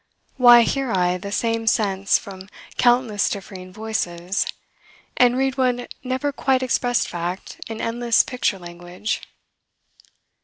Why hear I the same sense from countless differing voices, and read one never quite expressed fact in endless picture language?